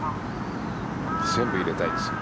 全部入れたいですよ。